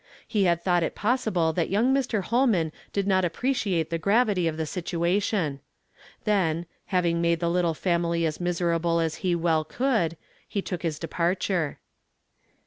He had thought it pos sible that young Mr. Holnuin did not appreciate tlie gravity of the situation. Then, having made the little family as miserable as he well could, lie took his departure.